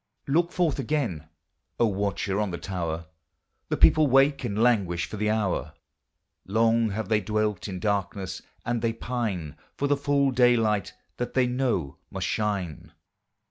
Look forth again, O watcher on the tower, The people wake and languish for the hour; Long have they dwelt in darkness, and they pine For the full daylight that they know must shine.